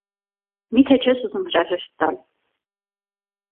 Մի՞թե չես ուզում հրաժեշտ տալ: